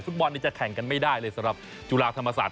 บอลจะแข่งกันไม่ได้เลยสำหรับจุฬาธรรมศาสต